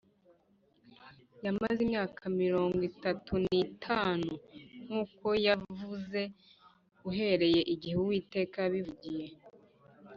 Yamaze imyaka mirongo itatu n’itanu nk’uko yavuze uhereye igihe Uwiteka yabivugiye